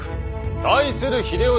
対する秀吉